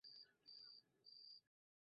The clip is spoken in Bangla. যেখান থেকে এসেছিল সেখানে ফিরে যাও, জো।